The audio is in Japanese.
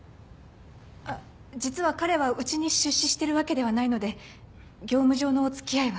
あっ実は彼はうちに出資してるわけではないので業務上の付き合いは。